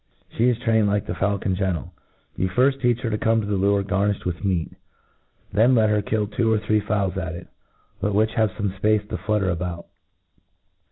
She is tr^n*? ed like the faulcon gentle. You firft teach her to com? to the lure gamiflied wth meat. Then let her kill twc) or three fowls at it, l)ut which have fome fpace to flutter about it.